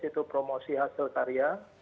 itu promosi hasil karya